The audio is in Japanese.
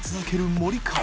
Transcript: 森川）